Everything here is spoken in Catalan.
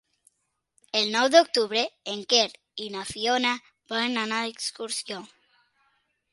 El nou d'octubre en Quer i na Fiona volen anar d'excursió.